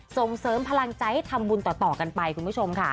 ส่งเสริมพลังใจให้ทำบุญต่อกันไปคุณผู้ชมค่ะ